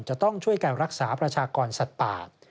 จะต้องช่วยการรักษาประชากรสัตว์ป่า